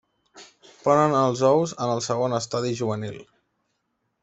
Ponen els ous en el segon estadi juvenil.